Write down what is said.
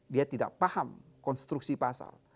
dia tidak paham konstruksi pasal